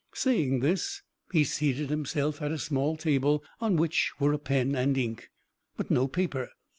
Saying this, he seated himself at a small table, on which were a pen and ink, but no paper.